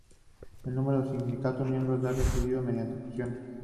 El número de sindicatos miembros se ha reducido mediante fusiones.